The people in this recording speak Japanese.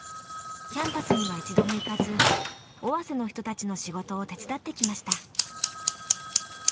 キャンパスには一度も行かず尾鷲の人たちの仕事を手伝ってきました。